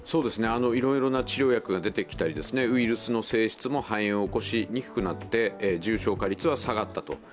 いろいろな治療薬が出てきたり、ウイルスの性質も肺炎を起こしにくくなって重症化率は下がったと。